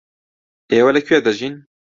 ئێوە لەکوێ دەژین؟